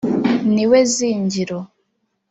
Ni we zingiro